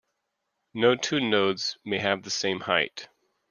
No two nodes may have the same height.